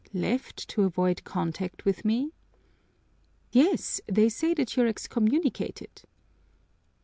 "Left to avoid contact with me?" "Yes, they say that you're excommunicated."